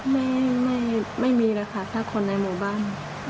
ไม่ไม่มีแหละค่ะแค่คนในหมู่บ้าน